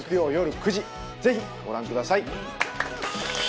ぜひご覧ください。